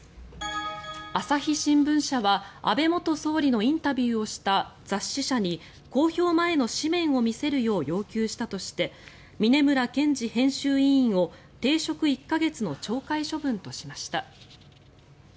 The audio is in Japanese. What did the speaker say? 朝日新聞社は安倍元総理のインタビューをした雑誌社に公表前の誌面を見せるよう要求したとして峯村健司編集委員を停職１か月の停職処分としました。